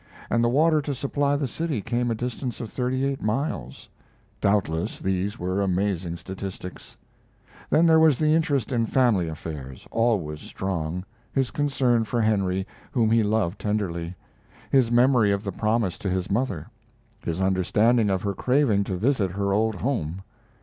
and the water to supply the city came a distance of thirty eight miles! Doubtless these were amazing statistics. Then there was the interest in family affairs always strong his concern for Henry, whom he loved tenderly; his memory of the promise to his mother; his understanding of her craving to visit her old home.